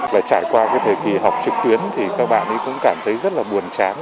và trải qua thời kỳ học trực tuyến thì các bạn cũng cảm thấy rất là buồn chán